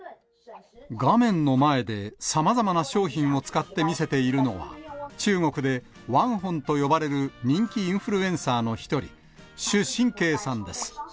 画面の前で、さまざまな商品を使って見せているのは、中国でワンホンと呼ばれる人気インフルエンサーの一人、朱しん慧さんです。